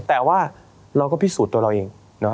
แต่ว่าเราก็พิสูจน์ตัวเราเอง